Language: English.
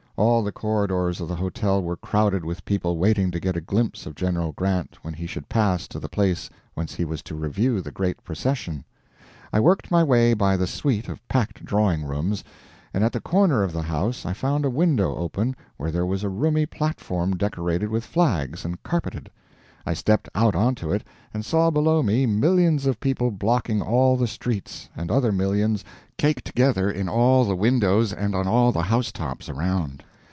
All the corridors of the hotel were crowded with people waiting to get a glimpse of General Grant when he should pass to the place whence he was to review the great procession. I worked my way by the suite of packed drawing rooms, and at the corner of the house I found a window open where there was a roomy platform decorated with flags, and carpeted. I stepped out on it, and saw below me millions of people blocking all the streets, and other millions caked together in all the windows and on all the house tops around.